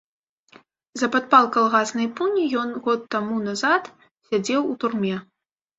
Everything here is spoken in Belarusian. За падпал калгаснай пуні ён год таму назад сядзеў у турме.